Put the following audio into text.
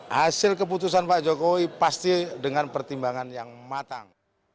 hasil keputusan pak jokowi pasti dengan pertimbangan yang matang